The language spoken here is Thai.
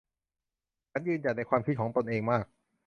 ฉันยืนหยัดในความคิดของตนเองมาก